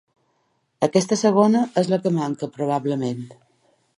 Aquesta segona és la que manca, probablement.